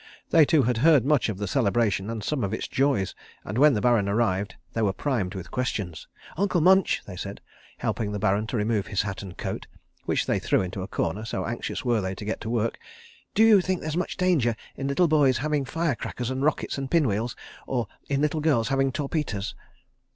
They too had heard much of the celebration and some of its joys and when the Baron arrived they were primed with questions. "Uncle Munch," they said, helping the Baron to remove his hat and coat, which they threw into a corner so anxious were they to get to work, "do you think there's much danger in little boys having fire crackers and rockets and pin wheels, or in little girls having torpeters?"